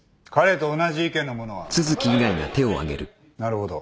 なるほど。